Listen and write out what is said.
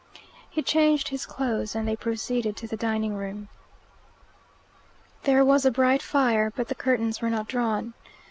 He changed his clothes and they proceeded to the dining room. There was a bright fire, but the curtains were not drawn. Mr.